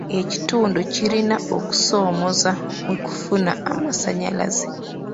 Ekitundu kirina okusoomooza mu kufuna amasannyalaze